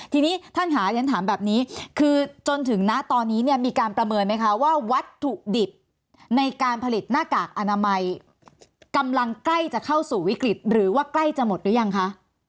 ทีนี้ท่านค่ะเรียนถามแบบนี้คือจนถึงณตอนนี้เนี่ยมีการประเมินไหมคะว่าวัตถุดิบในการผลิตหน้ากากอนามัยกำลังใกล้จะเข้าสู่วิกฤตหรือว่าใกล้จะหมดหรือยังคะ